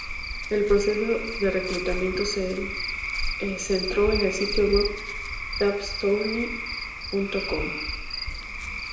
El proceso de reclutamiento se centró en el sitio web DraftStormy.com.